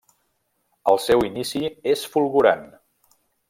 El seu inici és fulgurant.